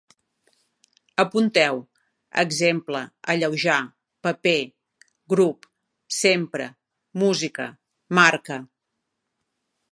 Apunteu: exemple, alleujar, paper, grup, sempre, música, marca